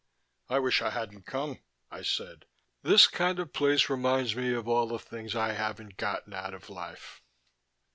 "I wish I hadn't come," I said. "This kind of place reminds me of all the things I haven't gotten out of life."